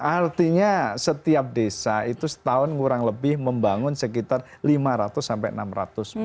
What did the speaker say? artinya setiap desa itu setahun kurang lebih membangun sekitar lima ratus sampai enam ratus